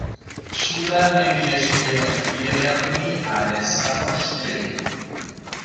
Šula njeměješe jenož dwě rjadowni, ale samo štyri.